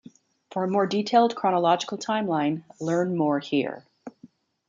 For a more detailed chronological timeline, learn more here.